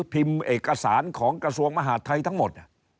พิมพ์เอกสารของกระทรวงมหาดไทยทั้งหมด